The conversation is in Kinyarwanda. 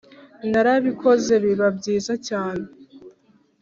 Narabikoze biba byiza cyane ,